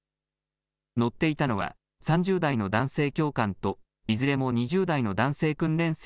乗っていたのは、３０代の男性教官といずれも２０代の男性訓練生